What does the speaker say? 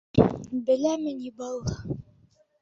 — Бәләме ни был?